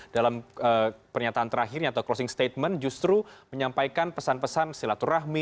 dalam pernyataan terakhirnya atau closing statement justru menyampaikan pesan pesan silaturahmi